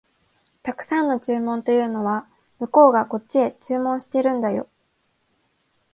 沢山の注文というのは、向こうがこっちへ注文してるんだよ